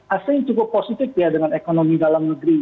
asing cukup positif ya dengan ekonomi dalam negeri